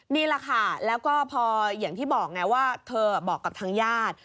นี่แหละค่ะแล้วก็พออย่างที่บอกไงว่าเธอบอกกับทางญาติ